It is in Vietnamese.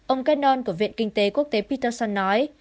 ông kenn của viện kinh tế quốc tế peterson nói